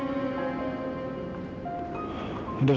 kapan baca itu